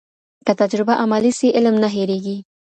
که تجربه عملي سي، علم نه هېرېږي.